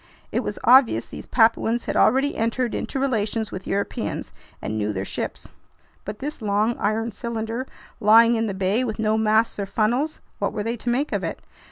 It was obvious these Papuans had already entered into relations with Europeans and knew their ships. But this long, iron cylinder lying in the bay, with no masts or funnels—what were they to make of it?